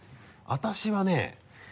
私はね。